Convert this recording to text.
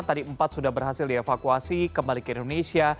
tadi empat sudah berhasil dievakuasi kembali ke indonesia